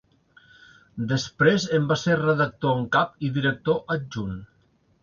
Després en va ser redactor en cap i director adjunt.